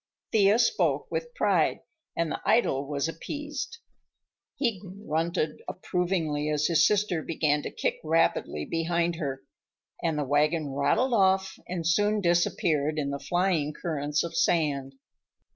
Thea spoke with pride, and the idol was appeased. He grunted approvingly as his sister began to kick rapidly behind her, and the wagon rattled off and soon disappeared in the flying currents of sand.